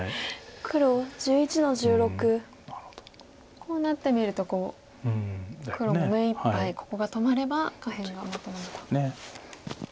こうなってみると黒も目いっぱいここが止まれば下辺がまとまると。